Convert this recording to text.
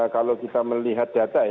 kalau kita melihat data